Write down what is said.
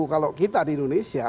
kalau kita di indonesia